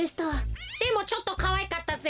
でもちょっとかわいかったぜ。